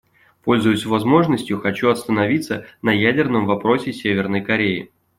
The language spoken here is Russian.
Пользуясь возможностью, хочу остановиться на ядерном вопросе Северной Кореи.